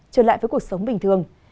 trở lại với cuộc sống bình thường